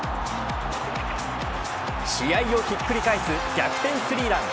試合をひっくり返す逆転３ラン。